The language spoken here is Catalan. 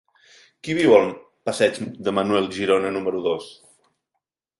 Qui viu al passeig de Manuel Girona número dos?